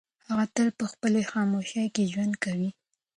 هغه تل په خپلې خاموشۍ کې ژوند کوي.